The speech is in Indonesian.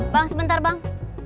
bang sebentar bang